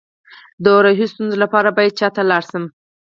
د روحي ستونزو لپاره باید چا ته لاړ شم؟